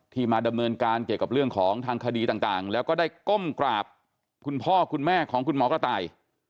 มาดำเนินการเกี่ยวกับเรื่องของทางคดีต่างแล้วก็ได้ก้มกราบคุณพ่อคุณแม่ของคุณหมอกระต่าย